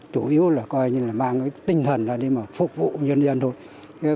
chủ yếu là coi như là mang cái tinh thần ra đi mà phục vụ nhân dân thôi